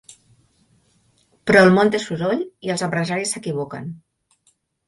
Però el món té soroll i els empresaris s'equivoquen.